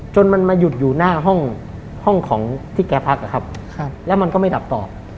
จนมันมาหยุดอยู่หน้าห้องของที่แกพักนะครับแล้วมันก็ไม่ดับต่อ